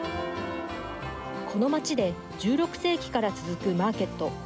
この町で１６世紀から続くマーケット。